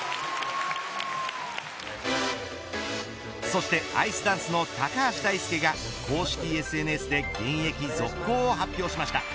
そしてアイスダンスの高橋大輔が公式ＳＮＳで現役続行を発表しました。